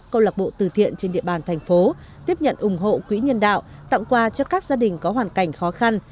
câu lạc bộ từ thiện trên địa bàn thành phố tiếp nhận ủng hộ quỹ nhân đạo tặng quà cho các gia đình có hoàn cảnh khó khăn